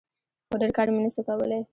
خو ډېر کار مې نسو کولاى.